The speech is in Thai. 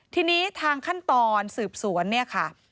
ทีนี้ทางขั้นตอนสืบสวนเนี่ยค่ะ